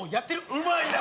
うまいな！